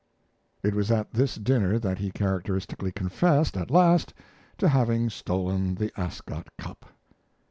It was at this dinner that he characteristically confessed, at last, to having stolen the Ascot Cup.